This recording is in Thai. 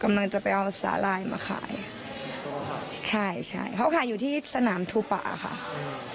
กำลังจะไปเอาสาลายมาขายใช่ใช่เขาขายอยู่ที่สนามทูปะค่ะ